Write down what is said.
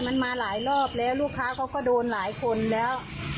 มันมาหลายรอบแล้วลูกค้าเขาก็โดนหลายคนแล้ว